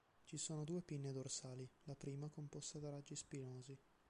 Ci sono due pinne dorsali, la prima composta da raggi spinosi.